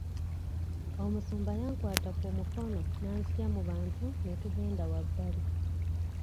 Omusumba yankwata ku mukono n'anzigya mu bantu ne tugenda wabbali.